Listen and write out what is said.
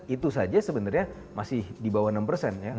itu saja sebenarnya masih di bawah enam persen ya